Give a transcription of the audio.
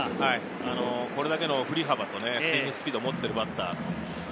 これだけの振り幅とスイングスピードを持っているバッター。